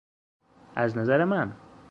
از نظر من